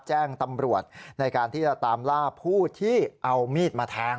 แจ้งตำรวจในการที่จะตามล่าผู้ที่เอามีดมาแทง